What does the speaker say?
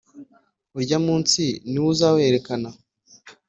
Urya munsi ni wo uzawerekana,